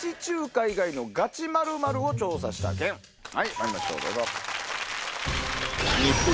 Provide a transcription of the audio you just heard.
参りましょうどうぞ。